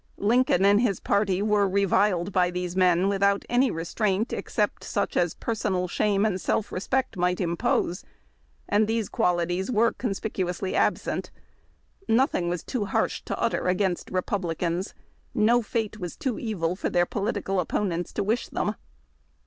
Lin coln and his party were reviled by these men without any restraint except such as personal shame and self respect A LINCOLN Win?: AWAKE. THE TOCSIN OF WAR. 21 might impose ; and these qualities were conspicuously absent. Nothing was too harsh to utter against Republicans. No fate was too evil for their political opponents to wish them.